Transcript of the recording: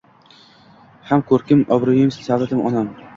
Ham kõrkim obrõyim savlatim onam